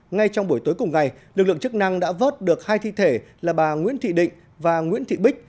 ngay trong buổi tối cùng ngày lực lượng chức năng đã vớt được hai thi thể là bà nguyễn thị định và nguyễn thị bích